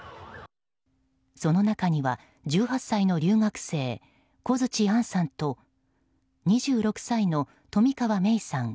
その中には１８歳の留学生、小槌杏さんと２６歳の冨川芽生さん